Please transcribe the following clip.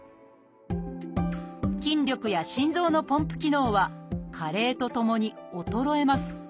筋力や心臓のポンプ機能は加齢とともに衰えます。